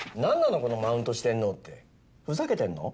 このマウント四天王ってふざけてんの？